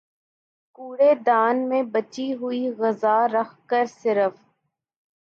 کوڑے دان میں بچی ہوئی غذا رکھ کر صرف